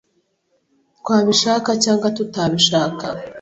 twabishaka cyangwa tutabishaka.